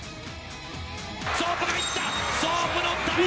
ソープが行った！